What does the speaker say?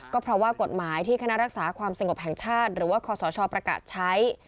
ก็เพราะว่ากฎหมายที่คณะรักษาความสงบแห่งชาติหรือว่าคศประกาศใช้